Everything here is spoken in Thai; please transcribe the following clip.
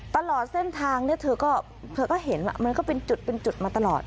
ตลอดเส้นทางเนี่ยเธอก็เห็นว่ามันก็เป็นจุดเป็นจุดมาตลอด